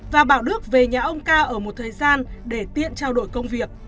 và bảo đức về nhà ông ca ở một thời gian để tiện trao đổi công việc